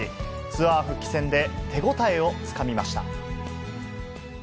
ツアー復帰戦で手応えをつかみました。